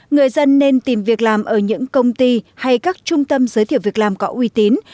người dân nên tìm việc làm ở những công ty hay các trung tâm giới thiệu việc làm có uy tín